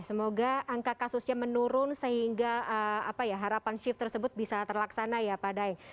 semoga angka kasusnya menurun sehingga harapan shift tersebut bisa terlaksana ya pak daeng